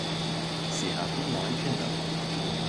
Sie hatten neun Kinder.